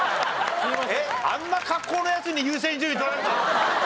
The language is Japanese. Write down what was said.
あんな格好のヤツに優先順位取られたの？